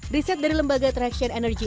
riset dari lembaga traction energy